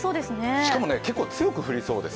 しかも結構強く降りそうです。